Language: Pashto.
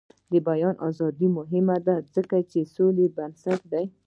د بیان ازادي مهمه ده ځکه چې د سولې بنسټ دی.